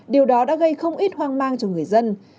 điều đó đã gây không ít hoang mang cho người việt nam